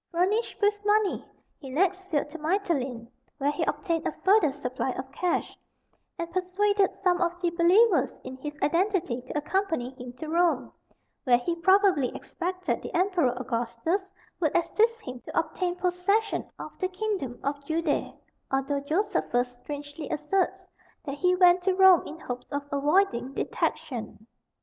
Furnished with money, he next sailed to Mitylene, where he obtained a further supply of cash, and persuaded some of the believers in his identity to accompany him to Rome, where he probably expected the Emperor Augustus would assist him to obtain possession of the kingdom of Judea; although Josephus strangely asserts that he went to Rome in hopes of avoiding detection.